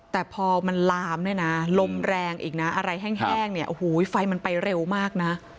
แต่พอมันลามเนี่ยนะลมแรงอีกนะอะไรแห้งเนี่ยโอ้โหไฟมันไปเร็วมากนะ